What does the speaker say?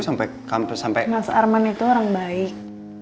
mas arman itu orang baik